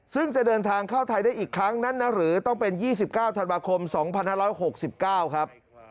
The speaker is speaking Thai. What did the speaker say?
ซึ่งจะเดินทางเข้าไทยได้อีกครั้งนั้นนะหรือต้องเป็น๒๙ธันวาคม๒๕๖๙ครับ